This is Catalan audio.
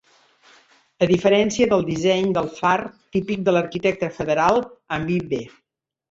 A diferència del disseny del far típic de l'arquitecte federal Ammi B.